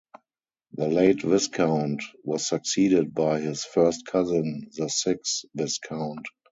The late Viscount was succeeded by his first cousin, the sixth Viscount.